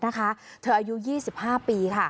อาจยี่สิบห้าปี